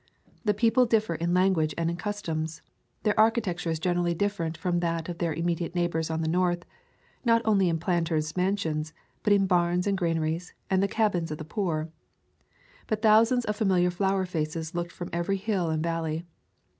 The people differ in language and in customs. Their architecture is generically different from that of their im mediate neighbors on the north, not only in planters' mansions, but in barns and granaries and the cabins of the poor. But thousands of familiar flower faces looked from every hill and valley.